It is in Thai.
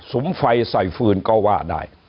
มไฟใส่ฟืนก็ว่าได้